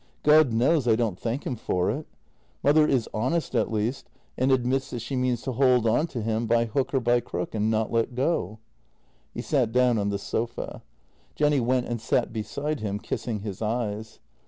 God knows, I don't thank him for it! Mother is honest at least, and admits that she means to hold on to him by hook or by crook and not let go." He sat down on the sofa. Jenny went and sat beside him, kissing his eyes.